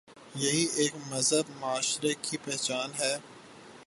یہی ایک مہذب معاشرے کی پہچان ہے۔